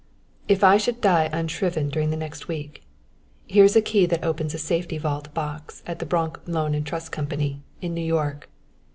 "If I should die unshriven during the next week, here's a key that opens a safety vault box at the Bronx Loan and Trust Company, in New York.